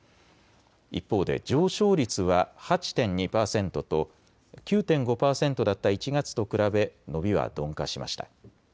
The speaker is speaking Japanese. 一方で上昇率は８．２％と９．５％だった１月と比べ伸びは鈍化しました。